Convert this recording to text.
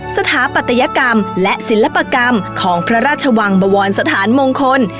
สถาปัตยกรรมและศิลปกรรมของพระราชวังบวรสถานมงคล